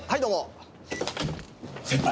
先輩！